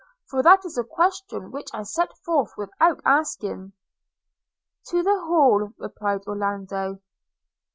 for that is a question which I set forth without asking.' 'To the Hall,' replied Orlando.